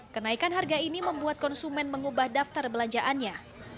kenaikan harga ini membuat konsumen mengubah daftar belanjaannya